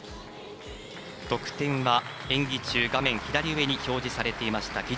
得点は、演技中画面左上に表示されていました